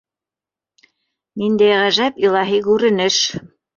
Ниндәй ғәжәп, илаһи күренеш!